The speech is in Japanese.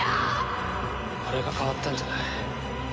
俺が変わったんじゃない。